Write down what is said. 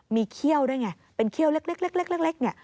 มีเขี้ยวด้วยไงเป็นเขี้ยวเล็กเนี่ย